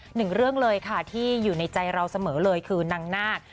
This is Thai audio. หนึ่งเรื่องเลยค่ะที่อยู่ในใจเราเสมอเลยคือนางนาค